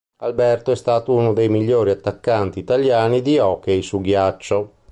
Alberto è stato uno dei migliori attaccanti italiani di hockey su ghiaccio.